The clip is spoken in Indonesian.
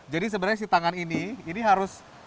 jadi sebenarnya si tangan ini ini harus